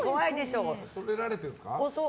恐れられているんですか？